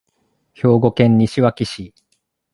兵庫県西脇市